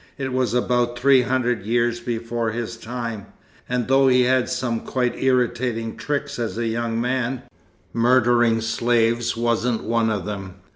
"It was about three hundred years before his time. And though he had some quite irritating tricks as a young man, murdering slaves wasn't one of them.